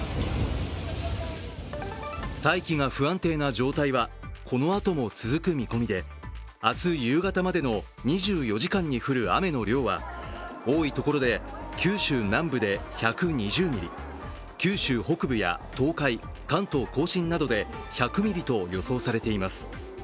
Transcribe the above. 大気が不安定な状態はこのあとも続く見込みで明日夕方までの２４時間に降る雨の量は多いところで九州南部で１２０ミリ、九州北部や東海、関東甲信などで１００ミリと予想されています。